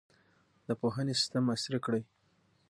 د پوهنې سیستم عصري کړئ.